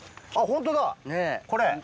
あっホントだこれ？